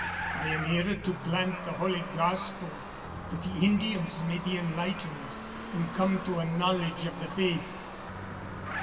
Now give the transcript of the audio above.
I am here to plant the Holy Gospel, that the Indians may be enlightened and come to a knowledge of the faith."